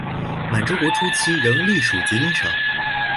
满洲国初期仍隶属吉林省。